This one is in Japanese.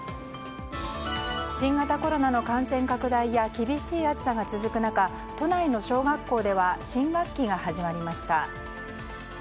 新型コロナの感染拡大や厳しい暑さが続く中都内の小学校では新学期が始まりました。